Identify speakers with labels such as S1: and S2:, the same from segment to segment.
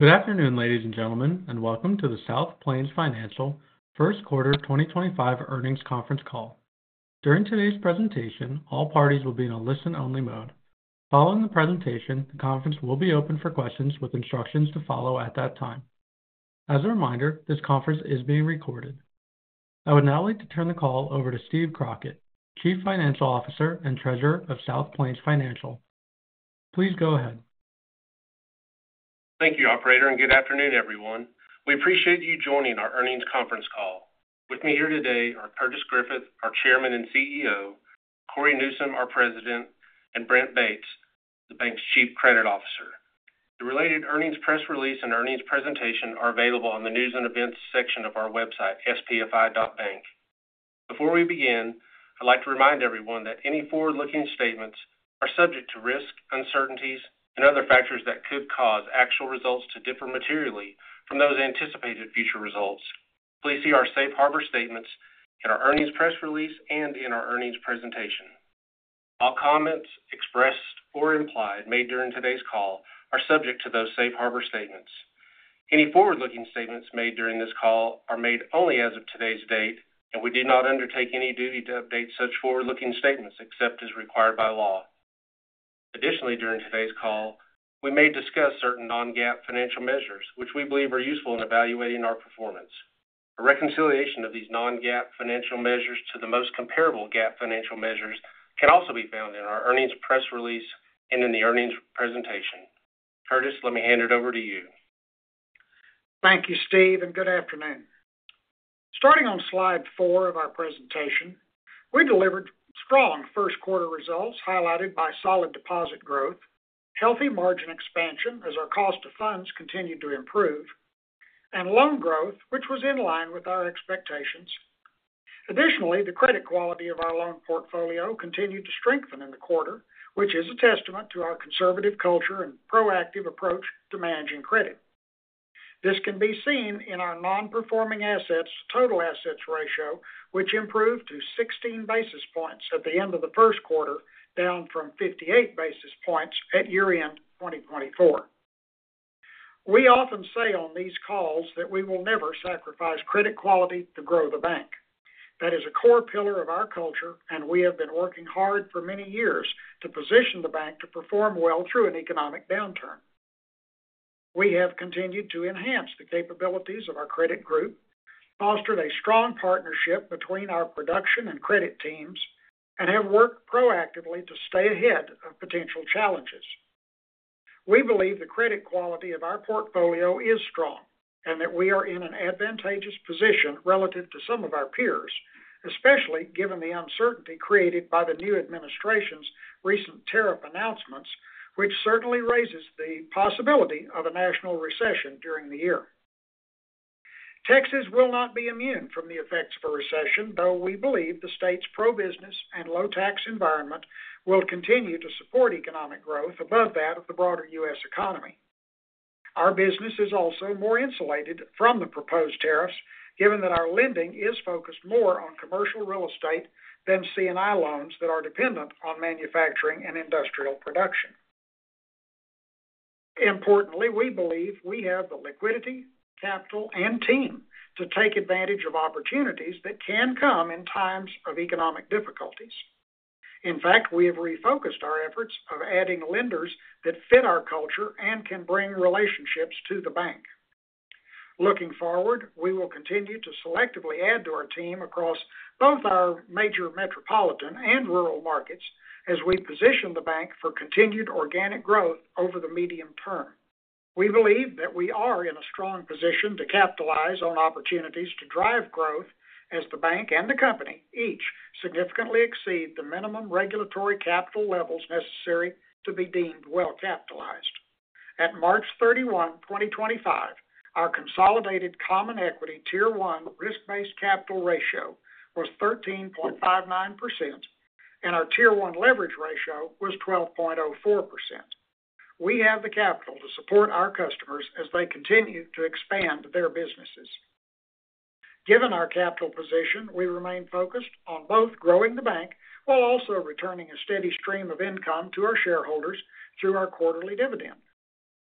S1: Good afternoon, ladies and gentlemen, and welcome to the South Plains Financial Q1 2025 Earnings Conference Call. During today's presentation, all parties will be in a listen-only mode. Following the presentation, the conference will be open for questions with instructions to follow at that time. As a reminder, this conference is being recorded. I would now like to turn the call over to Steve Crockett, Chief Financial Officer and Treasurer of South Plains Financial. Please go ahead.
S2: Thank you, Operator, and good afternoon, everyone. We appreciate you joining our earnings conference call. With me here today are Curtis Griffith, our Chairman and CEO; Cory Newsom, our President; and Brent Bates, the Bank's Chief Credit Officer. The related earnings press release and earnings presentation are available on the News and Events section of our website, SPFI.Bank. Before we begin, I'd like to remind everyone that any forward-looking statements are subject to risk, uncertainties, and other factors that could cause actual results to differ materially from those anticipated future results. Please see our safe harbor statements in our earnings press release and in our earnings presentation. All comments expressed or implied made during today's call are subject to those safe harbor statements. Any forward-looking statements made during this call are made only as of today's date, and we do not undertake any duty to update such forward-looking statements except as required by law. Additionally, during today's call, we may discuss certain non-GAAP financial measures, which we believe are useful in evaluating our performance. A reconciliation of these non-GAAP financial measures to the most comparable GAAP financial measures can also be found in our earnings press release and in the earnings presentation. Curtis, let me hand it over to you.
S3: Thank you, Steve, and good afternoon. Starting on slide four of our presentation, we delivered strong Q1 results highlighted by solid deposit growth, healthy margin expansion as our cost of funds continued to improve, and loan growth, which was in line with our expectations. Additionally, the credit quality of our loan portfolio continued to strengthen in the quarter, which is a testament to our conservative culture and proactive approach to managing credit. This can be seen in our non-performing assets to total assets ratio, which improved to 16 basis points at the end of the Q1, down from 58 basis points at year-end 2024. We often say on these calls that we will never sacrifice credit quality to grow the bank. That is a core pillar of our culture, and we have been working hard for many years to position the bank to perform well through an economic downturn. We have continued to enhance the capabilities of our Credit Group, fostered a strong partnership between our production and credit teams, and have worked proactively to stay ahead of potential challenges. We believe the credit quality of our portfolio is strong and that we are in an advantageous position relative to some of our peers, especially given the uncertainty created by the new administration's recent tariff announcements, which certainly raises the possibility of a national recession during the year. Texas will not be immune from the effects of a recession, though we believe the state's pro-business and low-tax environment will continue to support economic growth above that of the broader U.S. economy. Our business is also more insulated from the proposed tariffs, given that our lending is focused more on commercial real estate than C&I loans that are dependent on manufacturing and industrial production. Importantly, we believe we have the liquidity, capital, and team to take advantage of opportunities that can come in times of economic difficulties. In fact, we have refocused our efforts on adding lenders that fit our culture and can bring relationships to the bank. Looking forward, we will continue to selectively add to our team across both our major metropolitan and rural markets as we position the bank for continued organic growth over the medium term. We believe that we are in a strong position to capitalize on opportunities to drive growth as the bank and the company each significantly exceed the minimum regulatory capital levels necessary to be deemed well capitalized. At March 31, 2025, our consolidated common equity Tier 1 risk-based capital ratio was 13.59%, and our Tier 1 leverage ratio was 12.04%. We have the capital to support our customers as they continue to expand their businesses. Given our capital position, we remain focused on both growing the bank while also returning a steady stream of income to our shareholders through our quarterly dividend.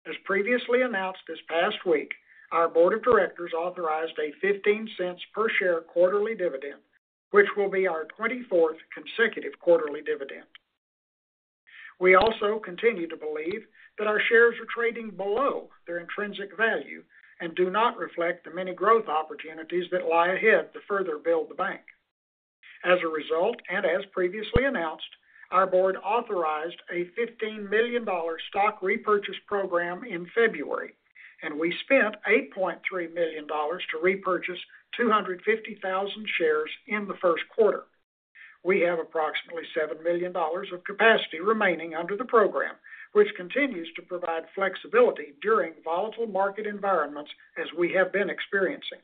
S3: As previously announced this past week, our board of directors authorized a $0.15 per share quarterly dividend, which will be our 24th consecutive quarterly dividend. We also continue to believe that our shares are trading below their intrinsic value and do not reflect the many growth opportunities that lie ahead to further build the bank. As a result, and as previously announced, our board authorized a $15 million stock repurchase program in February, and we spent $8.3 million to repurchase 250,000 shares in the Q1. We have approximately $7 million of capacity remaining under the program, which continues to provide flexibility during volatile market environments as we have been experiencing.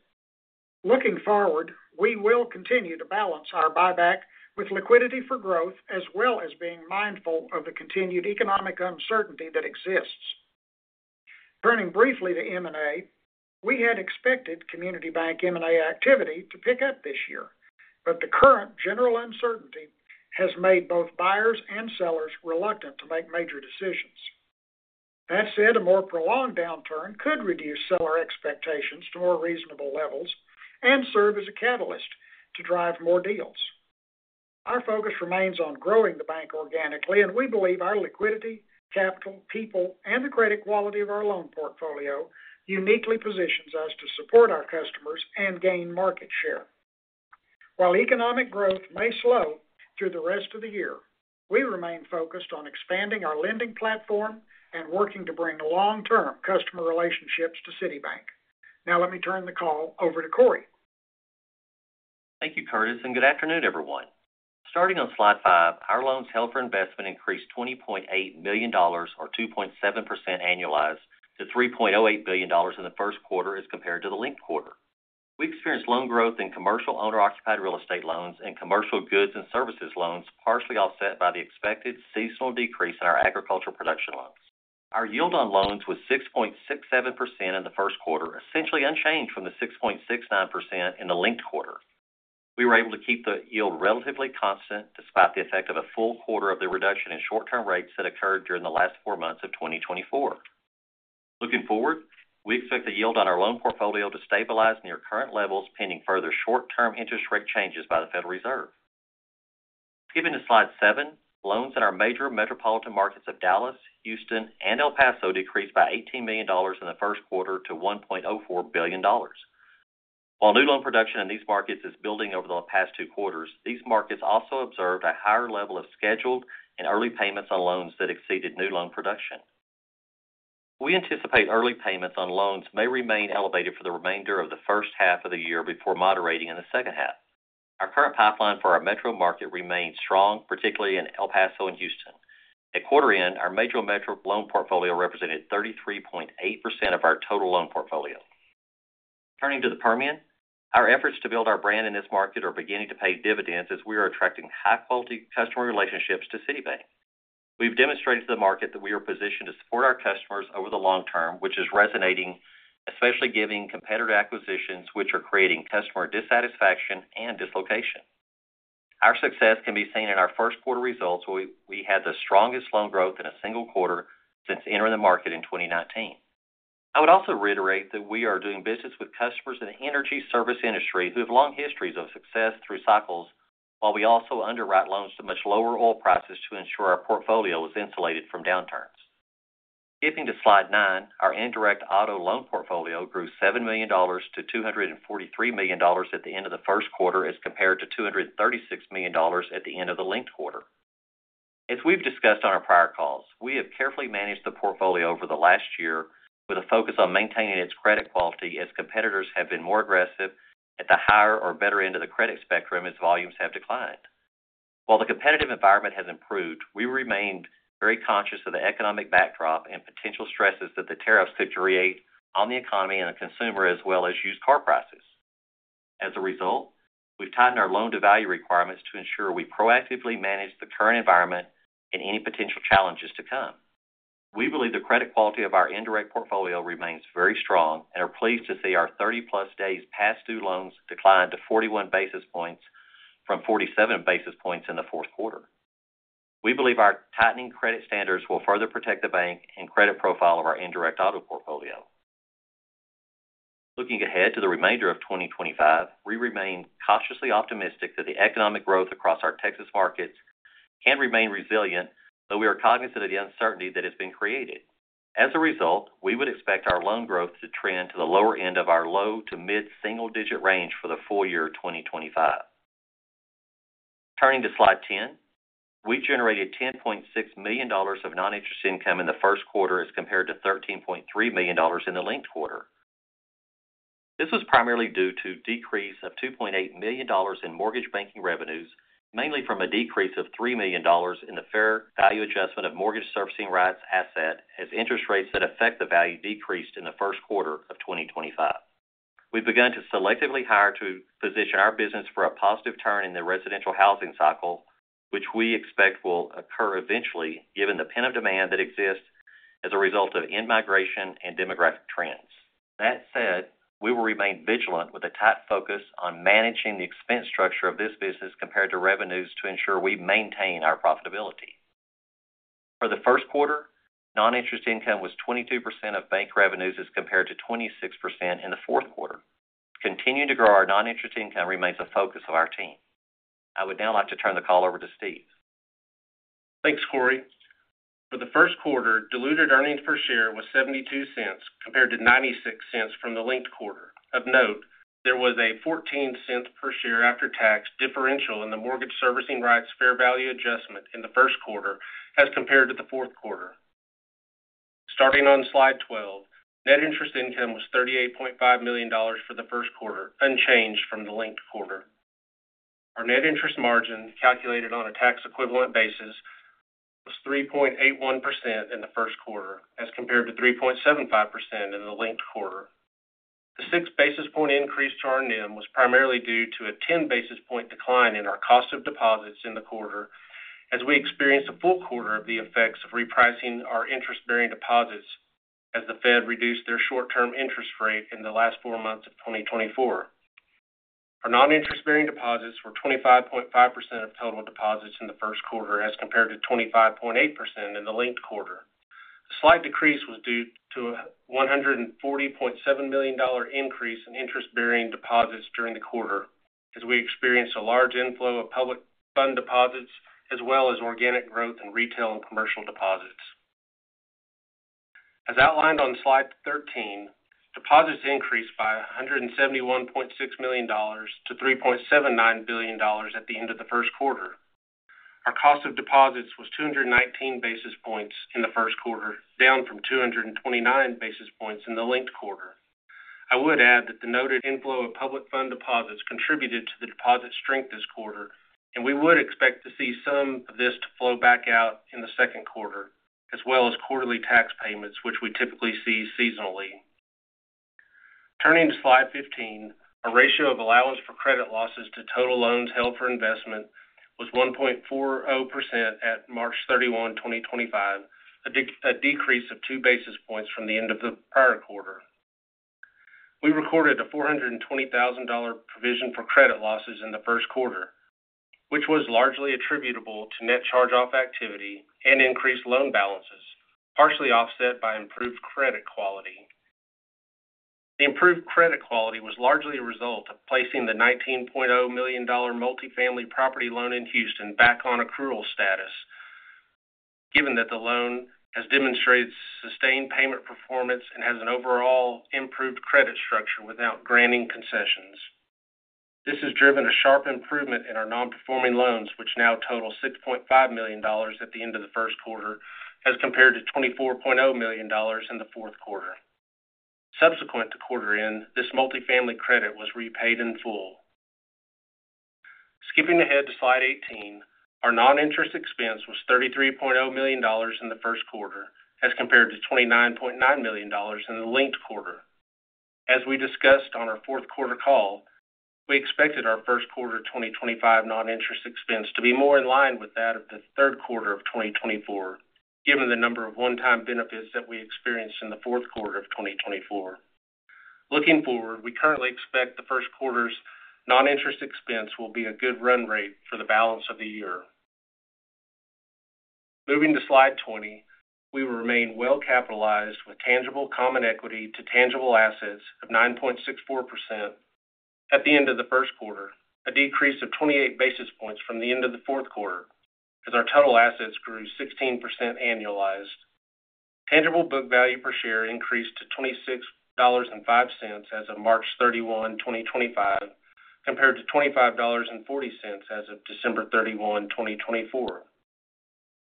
S3: Looking forward, we will continue to balance our buyback with liquidity for growth as well as being mindful of the continued economic uncertainty that exists. Turning briefly to M&A, we had expected community bank M&A activity to pick up this year, but the current general uncertainty has made both buyers and sellers reluctant to make major decisions. That said, a more prolonged downturn could reduce seller expectations to more reasonable levels and serve as a catalyst to drive more deals. Our focus remains on growing the bank organically, and we believe our liquidity, capital, people, and the credit quality of our loan portfolio uniquely positions us to support our customers and gain market share. While economic growth may slow through the rest of the year, we remain focused on expanding our lending platform and working to bring long-term customer relationships to South Plains Financial. Now, let me turn the call over to Cory.
S4: Thank you, Curtis, and good afternoon, everyone. Starting on slide five, our loans held for investment increased $20.8 million or 2.7% annualized to $3.08 billion in the Q1 as compared to the linked quarter. We experienced loan growth in commercial owner-occupied real estate loans and commercial goods and services loans, partially offset by the expected seasonal decrease in our agricultural production loans. Our yield on loans was 6.67% in the Q1, essentially unchanged from the 6.69% in the linked quarter. We were able to keep the yield relatively constant despite the effect of a full quarter of the reduction in short-term rates that occurred during the last four months of 2024. Looking forward, we expect the yield on our loan portfolio to stabilize near current levels pending further short-term interest rate changes by the Federal Reserve. Given the slide seven, loans in our major metropolitan markets of Dallas, Houston, and El Paso decreased by $18 million in the Q1 to $1.04 billion. While new loan production in these markets is building over the past two quarters, these markets also observed a higher level of scheduled and early payments on loans that exceeded new loan production. We anticipate early payments on loans may remain elevated for the remainder of the first half of the year before moderating in the second half. Our current pipeline for our metro market remains strong, particularly in El Paso and Houston. At quarter end, our major metro loan portfolio represented 33.8% of our total loan portfolio. Turning to the Permian, our efforts to build our brand in this market are beginning to pay dividends as we are attracting high-quality customer relationships to City Bank. We've demonstrated to the market that we are positioned to support our customers over the long term, which is resonating, especially given competitor acquisitions which are creating customer dissatisfaction and dislocation. Our success can be seen in our Q1 results, where we had the strongest loan growth in a single quarter since entering the market in 2019. I would also reiterate that we are doing business with customers in the energy service industry who have long histories of success through cycles, while we also underwrite loans to much lower oil prices to ensure our portfolio is insulated from downturns. Skipping to slide nine, our indirect auto loan portfolio grew $7 million to $243 million at the end of the Q1 as compared to $236 million at the end of the linked quarter. As we've discussed on our prior calls, we have carefully managed the portfolio over the last year with a focus on maintaining its credit quality as competitors have been more aggressive at the higher or better end of the credit spectrum as volumes have declined. While the competitive environment has improved, we remained very conscious of the economic backdrop and potential stresses that the tariffs could create on the economy and the consumer as well as used car prices. As a result, we've tightened our loan-to-value requirements to ensure we proactively manage the current environment and any potential challenges to come. We believe the credit quality of our indirect portfolio remains very strong and are pleased to see our 30-plus days past due loans decline to 41 basis points from 47 basis points in the Q4. We believe our tightening credit standards will further protect the bank and credit profile of our indirect auto portfolio. Looking ahead to the remainder of 2025, we remain cautiously optimistic that the economic growth across our Texas markets can remain resilient, though we are cognizant of the uncertainty that has been created. As a result, we would expect our loan growth to trend to the lower end of our low to mid single-digit range for the full year 2025. Turning to slide ten, we generated $10.6 million of non-interest income in the Q1 as compared to $13.3 million in the linked quarter. This was primarily due to a decrease of $2.8 million in mortgage banking revenues, mainly from a decrease of $3 million in the fair value adjustment of mortgage servicing rights asset as interest rates that affect the value decreased in the Q1 of 2025. We've begun to selectively hire to position our business for a positive turn in the residential housing cycle, which we expect will occur eventually given the pent-up demand that exists as a result of in-migration and demographic trends. That said, we will remain vigilant with a tight focus on managing the expense structure of this business compared to revenues to ensure we maintain our profitability. For the Q1, non-interest income was 22% of bank revenues as compared to 26% in the Q4. Continuing to grow our non-interest income remains a focus of our team. I would now like to turn the call over to Steve.
S2: Thanks, Cory. For the Q1, diluted earnings per share was $0.72 compared to $0.96 from the linked quarter. Of note, there was a $0.14 per share after-tax differential in the mortgage servicing rights fair value adjustment in the Q1 as compared to the Q4. Starting on slide 12, net interest income was $38.5 million for the Q1, unchanged from the linked quarter. Our net interest margin, calculated on a tax equivalent basis, was 3.81% in the Q1 as compared to 3.75% in the linked quarter. The six basis point increase to our NIM was primarily due to a 10 basis point decline in our cost of deposits in the quarter as we experienced a full quarter of the effects of repricing our interest-bearing deposits as the Federal Reserve reduced their short-term interest rate in the last four months of 2024. Our non-interest-bearing deposits were 25.5% of total deposits in the Q1 as compared to 25.8% in the linked quarter. The slight decrease was due to a $140.7 million increase in interest-bearing deposits during the quarter as we experienced a large inflow of public fund deposits as well as organic growth in retail and commercial deposits. As outlined on slide 13, deposits increased by $171.6 million to $3.79 billion at the end of the Q1. Our cost of deposits was 219 basis points in the Q1, down from 229 basis points in the linked quarter. I would add that the noted inflow of public fund deposits contributed to the deposit strength this quarter, and we would expect to see some of this to flow back out in the Q2, as well as quarterly tax payments, which we typically see seasonally. Turning to slide 15, our ratio of allowance for credit losses to total loans held for investment was 1.40% at March 31, 2025, a decrease of two basis points from the end of the prior quarter. We recorded a $420,000 provision for credit losses in the Q1, which was largely attributable to net charge-off activity and increased loan balances, partially offset by improved credit quality. The improved credit quality was largely a result of placing the $19.0 million multifamily property loan in Houston back on accrual status, given that the loan has demonstrated sustained payment performance and has an overall improved credit structure without granting concessions. This has driven a sharp improvement in our non-performing loans, which now total $6.5 million at the end of the Q1 as compared to $24.0 million in the Q4. Subsequent to quarter end, this multifamily credit was repaid in full. Skipping ahead to slide 18, our non-interest expense was $33.0 million in the Q1 as compared to $29.9 million in the linked quarter. As we discussed on our Q4 call, we expected our Q1 2025 non-interest expense to be more in line with that of the Q3 of 2024, given the number of one-time benefits that we experienced in the Q4 of 2024. Looking forward, we currently expect the Q1's non-interest expense will be a good run rate for the balance of the year. Moving to slide 20, we will remain well capitalized with tangible common equity to tangible assets of 9.64% at the end of the Q1, a decrease of 28 basis points from the end of the Q4 as our total assets grew 16% annualized. Tangible book value per share increased to $26.05 as of March 31, 2025, compared to $25.40 as of December 31, 2024.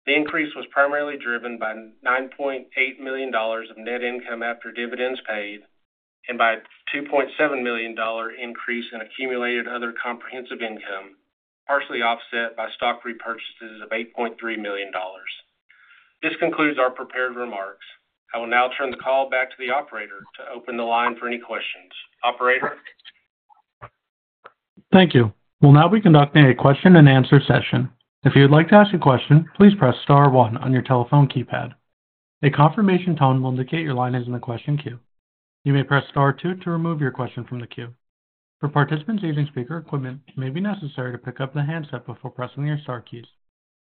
S2: The increase was primarily driven by $9.8 million of net income after dividends paid and by a $2.7 million increase in accumulated other comprehensive income, partially offset by stock repurchases of $8.3 million. This concludes our prepared remarks. I will now turn the call back to the operator to open the line for any questions. Operator.
S1: Thank you. We'll now be conducting a question-and-answer session. If you would like to ask a question, please press star one on your telephone keypad. A confirmation tone will indicate your line is in the question queue. You may press star two to remove your question from the queue. For participants using speaker equipment, it may be necessary to pick up the handset before pressing your star keys.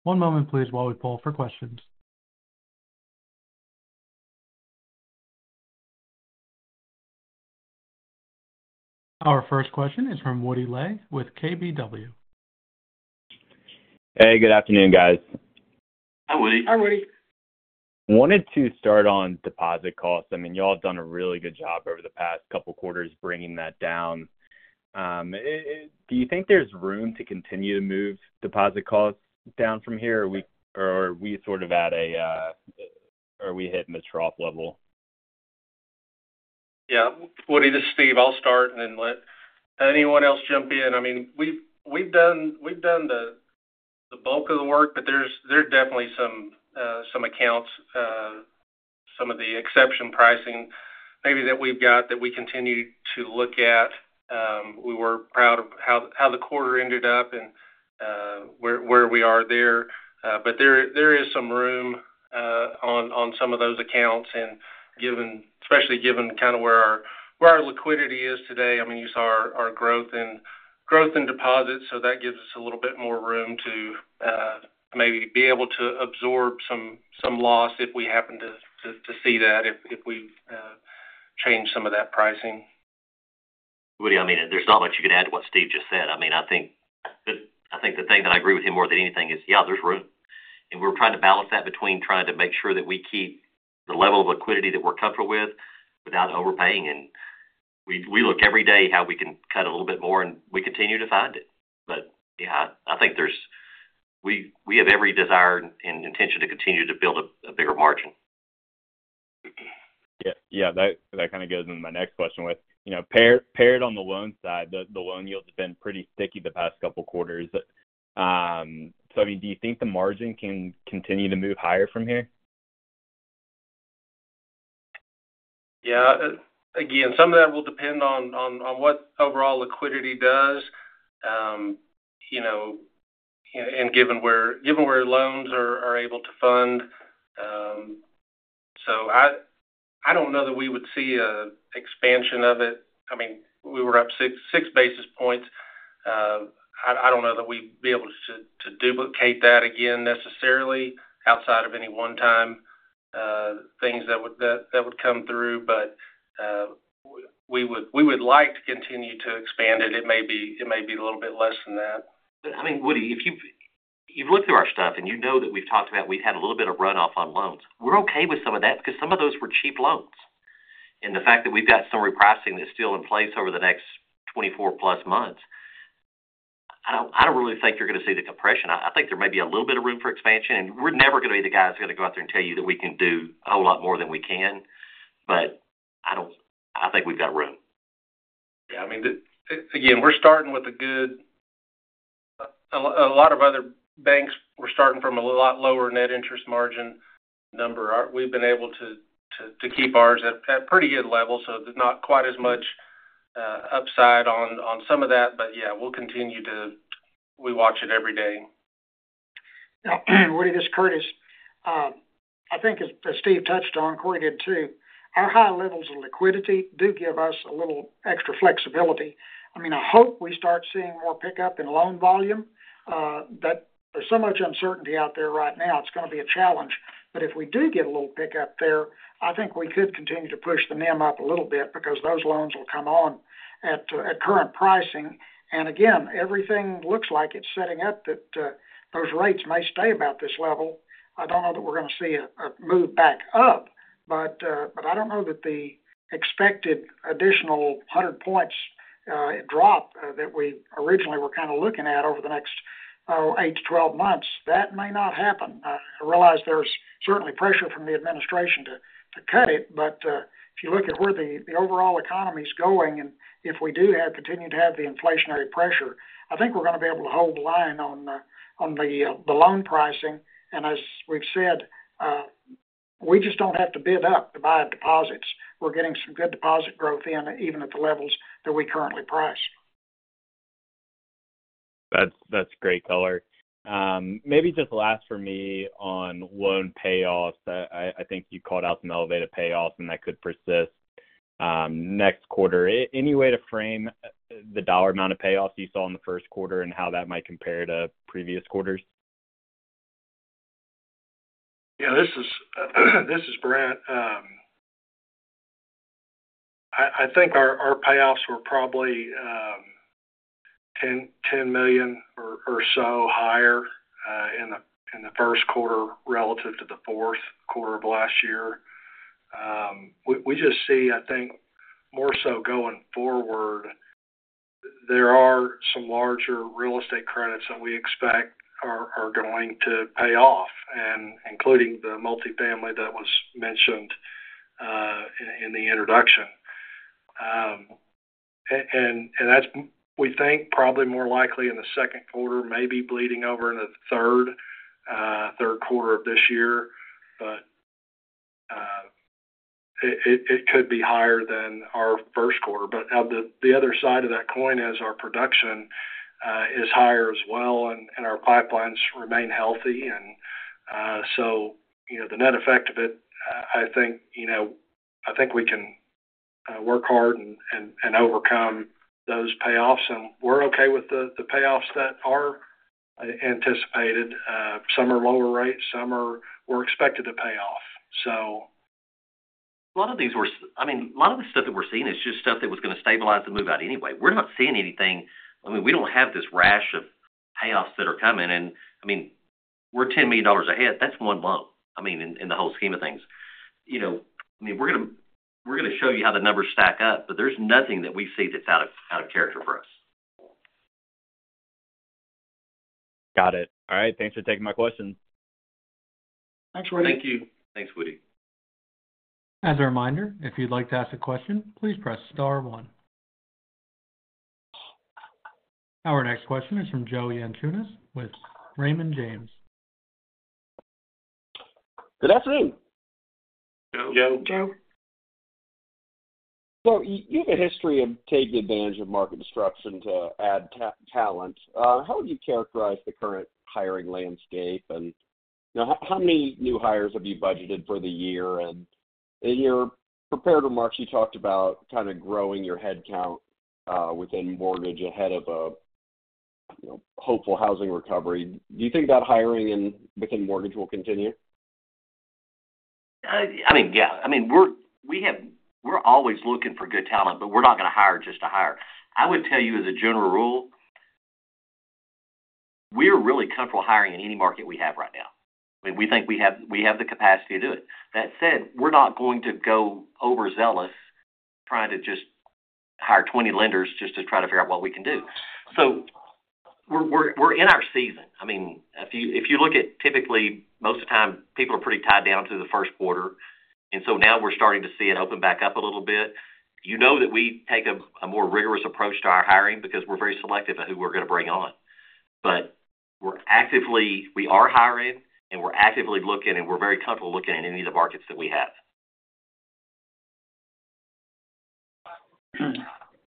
S1: One moment, please, while we pull for questions. Our first question is from Woody Lay with KBW.
S4: Hey, good afternoon, guys. Hi, Woody.
S2: Hi, Woody.
S5: Wanted to start on deposit costs. I mean, y'all have done a really good job over the past couple quarters bringing that down. Do you think there's room to continue to move deposit costs down from here, or are we sort of at a, are we hitting the trough level?
S2: Yeah. Woody, this is Steve. I'll start and then let anyone else jump in. I mean, we've done the bulk of the work, but there's definitely some accounts, some of the exception pricing maybe that we've got that we continue to look at. We were proud of how the quarter ended up and where we are there. There is some room on some of those accounts, especially given kind of where our liquidity is today. I mean, you saw our growth in deposits, so that gives us a little bit more room to maybe be able to absorb some loss if we happen to see that, if we change some of that pricing.
S4: Woody, I mean, there's not much you can add to what Steve just said. I mean, I think the thing that I agree with him more than anything is, yeah, there's room. We are trying to balance that between trying to make sure that we keep the level of liquidity that we're comfortable with without overpaying. We look every day how we can cut a little bit more, and we continue to find it. Yeah, I think we have every desire and intention to continue to build a bigger margin.
S5: Yeah. That kind of goes into my next question with, paired on the loan side, the loan yields have been pretty sticky the past couple quarters. I mean, do you think the margin can continue to move higher from here?
S2: Yeah. Again, some of that will depend on what overall liquidity does and given where loans are able to fund. I don't know that we would see an expansion of it. I mean, we were up six basis points. I don't know that we'd be able to duplicate that again necessarily outside of any one-time things that would come through, but we would like to continue to expand it. It may be a little bit less than that.
S4: I mean, Woody, if you've looked through our stuff and you know that we've talked about we've had a little bit of runoff on loans, we're okay with some of that because some of those were cheap loans. The fact that we've got some repricing that's still in place over the next 24-plus months, I don't really think you're going to see the compression. I think there may be a little bit of room for expansion, and we're never going to be the guys that are going to go out there and tell you that we can do a whole lot more than we can. I think we've got room.
S2: Yeah. I mean, again, we're starting with a good—a lot of other banks, we're starting from a lot lower net interest margin number. We've been able to keep ours at a pretty good level, so there's not quite as much upside on some of that. Yeah, we'll continue to—we watch it every day.
S3: Now, Woody, this is Curtis. I think, as Steve touched on, Cory did too, our high levels of liquidity do give us a little extra flexibility. I mean, I hope we start seeing more pickup in loan volume. There's so much uncertainty out there right now, it's going to be a challenge. If we do get a little pickup there, I think we could continue to push the NIM up a little bit because those loans will come on at current pricing. Again, everything looks like it's setting up that those rates may stay about this level. I don't know that we're going to see a move back up, but I don't know that the expected additional 100 basis point drop that we originally were kind of looking at over the next 8-12 months, that may not happen. I realize there's certainly pressure from the administration to cut it, but if you look at where the overall economy's going and if we do continue to have the inflationary pressure, I think we're going to be able to hold the line on the loan pricing. As we've said, we just don't have to bid up to buy deposits. We're getting some good deposit growth in even at the levels that we currently price.
S5: That's great color. Maybe just last for me on loan payoffs. I think you called out some elevated payoffs, and that could persist next quarter. Any way to frame the dollar amount of payoffs you saw in the Q1 and how that might compare to previous quarters?
S6: Yeah. This is Brent. I think our payoffs were probably $10 million or so higher in the Q1 relative to the Q4 of last year. We just see, I think, more so going forward, there are some larger real estate credits that we expect are going to pay off, including the multifamily that was mentioned in the introduction. We think probably more likely in the Q2, maybe bleeding over in the Q3 of this year, but it could be higher than our Q1. The other side of that coin is our production is higher as well, and our pipelines remain healthy. The net effect of it, I think we can work hard and overcome those payoffs. We're okay with the payoffs that are anticipated. Some are lower rates. Some are we're expected to pay off, so.
S4: A lot of these were—I mean, a lot of the stuff that we're seeing is just stuff that was going to stabilize the move out anyway. We're not seeing anything. I mean, we don't have this rash of payoffs that are coming. I mean, we're $10 million ahead. That's one bump, I mean, in the whole scheme of things. I mean, we're going to show you how the numbers stack up, but there's nothing that we see that's out of character for us.
S5: Got it. All right. Thanks for taking my questions.
S3: Thanks, Woody.
S5: Thank you.
S4: Thanks, Woody.
S1: As a reminder, if you'd like to ask a question, please press star one. Our next question is from Joe Yanchunis with Raymond James.
S7: Good afternoon.
S6: Joe.
S3: Joe.
S7: You have a history of taking advantage of market destruction to add talent. How would you characterize the current hiring landscape? How many new hires have you budgeted for the year? In your prepared remarks, you talked about kind of growing your headcount within mortgage ahead of a hopeful housing recovery. Do you think that hiring within mortgage will continue?
S4: I mean, yeah. I mean, we're always looking for good talent, but we're not going to hire just to hire. I would tell you, as a general rule, we're really comfortable hiring in any market we have right now. I mean, we think we have the capacity to do it. That said, we're not going to go overzealous trying to just hire 20 lenders just to try to figure out what we can do. We're in our season. I mean, if you look at typically, most of the time, people are pretty tied down to the Q1. Now we're starting to see it open back up a little bit. You know that we take a more rigorous approach to our hiring because we're very selective at who we're going to bring on. We are hiring, and we're actively looking, and we're very comfortable looking in any of the markets that we have.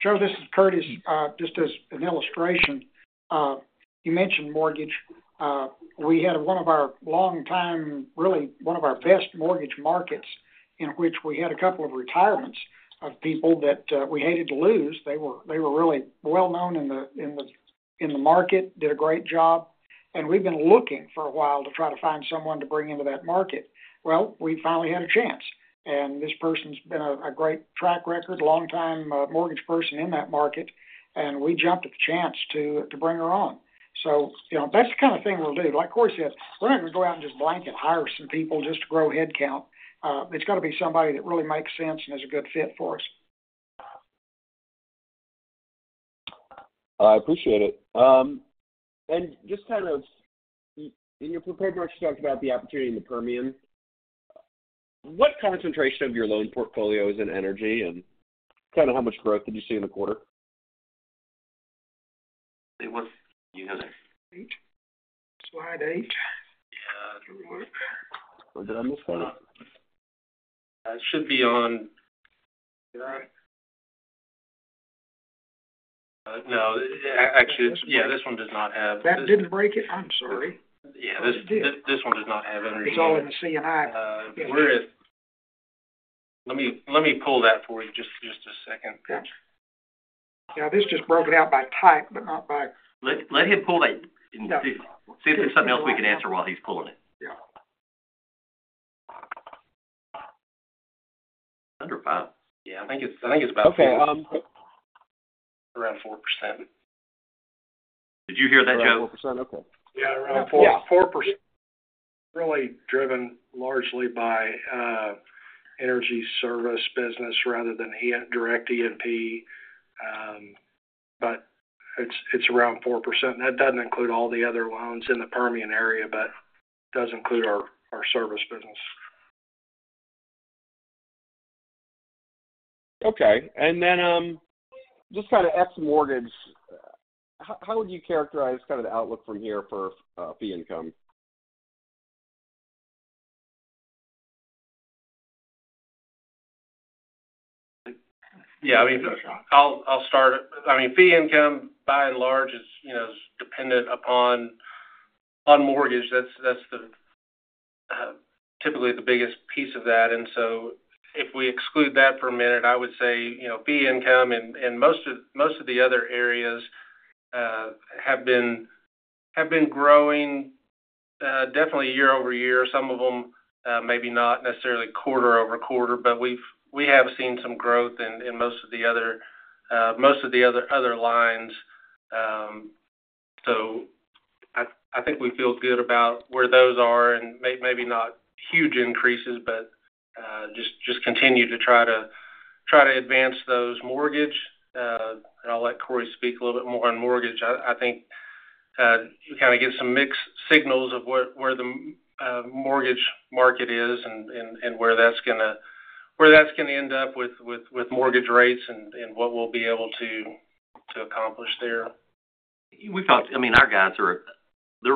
S6: Joe, this is Curtis. Just as an illustration, you mentioned mortgage. We had one of our long-time, really one of our best mortgage markets in which we had a couple of retirements of people that we hated to lose. They were really well-known in the market, did a great job. We have been looking for a while to try to find someone to bring into that market. We finally had a chance. This person has a great track record, long-time mortgage person in that market. We jumped at the chance to bring her on. That is the kind of thing we will do. Like Cory said, we are not going to go out and just blanket hire some people just to grow headcount. It has to be somebody that really makes sense and is a good fit for us.
S7: I appreciate it. Just kind of in your prepared remarks, you talked about the opportunity in the Permian. What concentration of your loan portfolio is in energy and kind of how much growth did you see in the quarter?
S2: It was. You heard it.
S3: Eight. Slide eight.
S2: Yeah.
S7: Or did I miss that?
S2: It should be on. No. Actually, yeah, this one does not have.
S3: That didn't break it. I'm sorry.
S2: Yeah. This one does not have energy.
S3: It's all in the C&I.
S2: Let me pull that for you just a second.
S3: Yeah. Yeah. This just broke it out by type, but not by.
S4: Let him pull that and see if there's something else we can answer while he's pulling it.
S2: Yeah. Under five. Yeah. I think it's about there.
S3: Okay.
S2: Around 4%.
S4: Did you hear that, Joe?
S2: Around 4%. Okay. Yeah. Around 4%.
S3: Yeah. 4%.
S2: Really driven largely by energy service business rather than direct E&P. It is around 4%. That does not include all the other loans in the Permian area, but does include our service business.
S7: Okay. And then just kind of ex-mortgage, how would you characterize kind of the outlook from here for fee income?
S2: Yeah. I mean, I'll start. I mean, fee income, by and large, is dependent upon mortgage. That's typically the biggest piece of that. If we exclude that for a minute, I would say fee income in most of the other areas have been growing definitely year-over-year. Some of them maybe not necessarily quarter-over-quarter, but we have seen some growth in most of the other lines. I think we feel good about where those are and maybe not huge increases, but just continue to try to advance those mortgage. I'll let Cory speak a little bit more on mortgage. I think you kind of get some mixed signals of where the mortgage market is and where that's going to end up with mortgage rates and what we'll be able to accomplish there.
S4: I mean, our guys are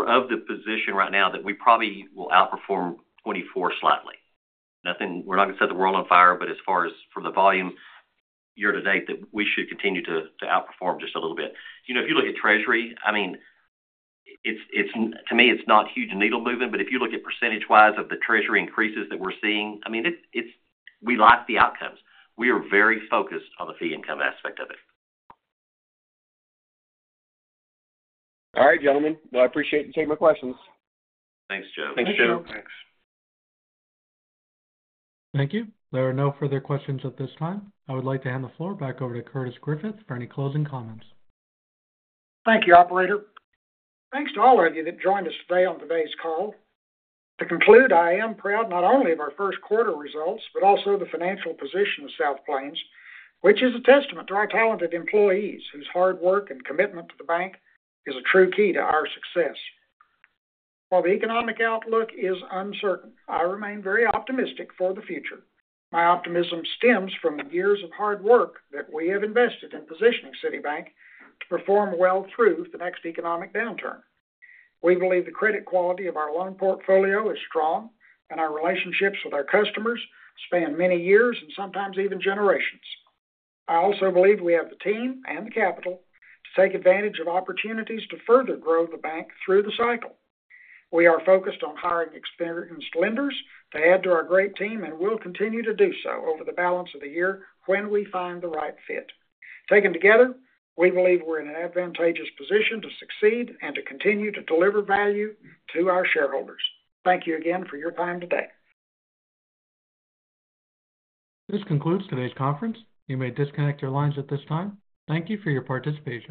S4: of the position right now that we probably will outperform 2024 slightly. We're not going to set the world on fire, but as far as from the volume year to date, that we should continue to outperform just a little bit. If you look at Treasury, I mean, to me, it's not huge needle moving, but if you look at percentage-wise of the Treasury increases that we're seeing, I mean, we like the outcomes. We are very focused on the fee income aspect of it.
S7: All right, gentlemen. I appreciate you taking my questions.
S4: Thanks, Joe.
S2: Thanks, Joe.
S3: Thanks, Joe.
S2: Thanks.
S1: Thank you. There are no further questions at this time. I would like to hand the floor back over to Curtis Griffith for any closing comments.
S3: Thank you, operator. Thanks to all of you that joined us today on today's call. To conclude, I am proud not only of our Q1 results, but also the financial position of South Plains, which is a testament to our talented employees whose hard work and commitment to the bank is a true key to our success. While the economic outlook is uncertain, I remain very optimistic for the future. My optimism stems from the years of hard work that we have invested in positioning South Plains Financial to perform well through the next economic downturn. We believe the credit quality of our loan portfolio is strong, and our relationships with our customers span many years and sometimes even generations. I also believe we have the team and the capital to take advantage of opportunities to further grow the bank through the cycle. We are focused on hiring experienced lenders to add to our great team and will continue to do so over the balance of the year when we find the right fit. Taken together, we believe we're in an advantageous position to succeed and to continue to deliver value to our shareholders. Thank you again for your time today.
S1: This concludes today's conference. You may disconnect your lines at this time. Thank you for your participation.